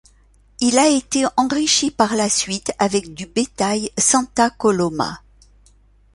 Il a été enrichi par la suite avec du bétail Santa Coloma.